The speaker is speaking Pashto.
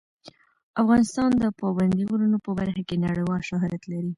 افغانستان د پابندي غرونو په برخه کې نړیوال شهرت لري.